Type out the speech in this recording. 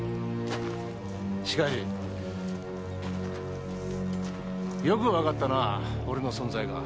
しかしよくわかったな俺の存在が。